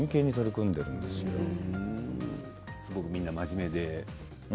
すごくみんな真面目で。